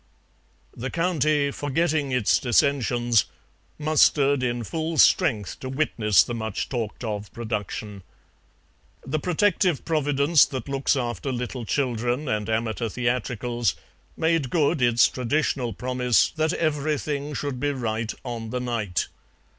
The County, forgetting its dissensions, mustered in full strength to witness the much talked of production. The protective Providence that looks after little children and amateur theatricals made good its traditional promise that everything should be right on the night.